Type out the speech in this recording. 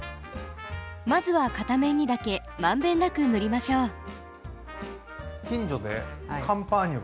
まずは片面にだけ満遍なく塗りましょう。